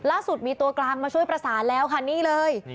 ล่าสุดมีตัวกลางมาช่วยประสานแล้วค่ะนี่เลย